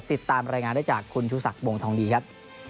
ติดตามรายงานได้จากคุณชูศักดิ์วงทองดีครับ